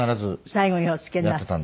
最後におつけになった？